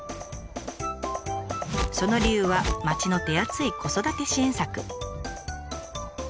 その理由は町の手厚い子育て支援策。